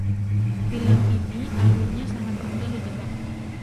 Film ini alurnya sangat mudah ditebak.